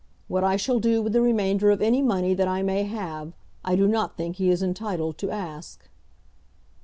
What I shall do with the remainder of any money that I may have, I do not think he is entitled to ask.